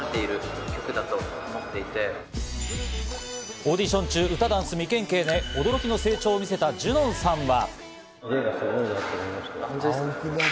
オーディション中、歌・ダンス未経験で驚きの成長を見せたＪＵＮＯＮさんは。